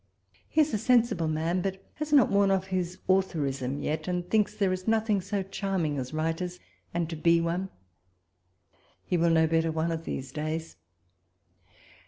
He is a sensible man, but has not worn off his authorism yet, and thinks there is nothing so charming as writers, and to be one. He will know better one of these days.